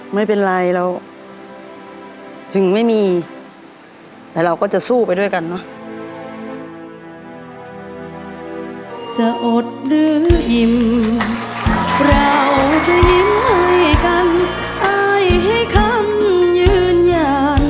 ไม่เป็นไรเราจึงไม่มีแต่เราก็จะสู้ไปด้วยกันเนอะ